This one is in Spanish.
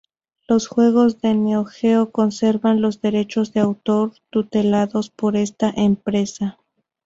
Los juegos de Neo-Geo conservan los derechos de autor tutelados por esta empresa.